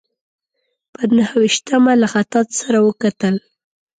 پر نهه ویشتمه له خطاط سره وکتل.